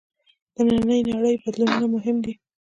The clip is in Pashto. د نننۍ نړۍ بدلونونه مهم دي.